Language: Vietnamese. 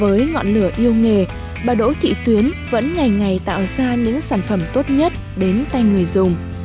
với ngọn lửa yêu nghề bà đỗ thị tuyến vẫn ngày ngày tạo ra những sản phẩm tốt nhất đến tay người dùng